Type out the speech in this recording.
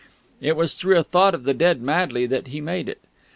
It was through a thought of the dead Madley that he made it.